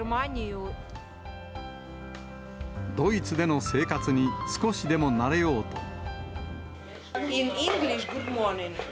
ドイツでの生活に少しでも慣れようと。